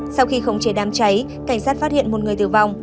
sau khi khống chế đám cháy cảnh sát phát hiện một người tử vong